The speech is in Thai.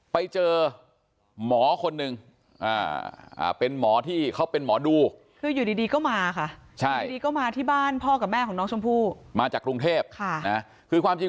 ไปเจอหมอคนหนึ่งเป็นหมอที่เขาเป็นหมอดูคืออยู่ดีก็มาค่ะอยู่ดีก็มาที่บ้านพ่อกับแม่ของน้องชมพู่มาจากกรุงเทพคือความจริง